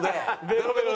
ベロベロ。